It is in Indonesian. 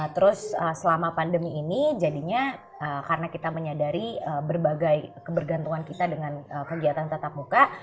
terus selama pandemi ini jadinya karena kita menyadari berbagai kebergantungan kita dengan kegiatan tetap muka